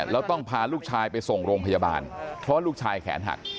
แล้วต้องพาลูกชายไปส่งโรงพยาบาลเพราะลูกชายแขนหัก